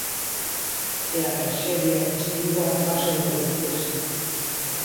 E a traxedia estivo a un paso de producirse.